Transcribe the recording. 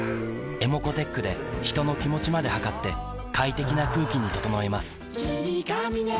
ｅｍｏｃｏーｔｅｃｈで人の気持ちまで測って快適な空気に整えます